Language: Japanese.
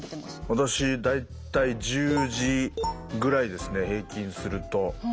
私大体１０時ぐらいですね平均すると。